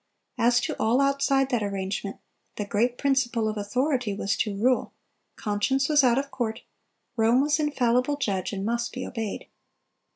As to all outside that arrangement, the great principle of authority was to rule; conscience was out of court; Rome was infallible judge, and must be obeyed.